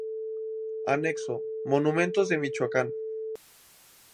Anexo: Monumentos de Michoacán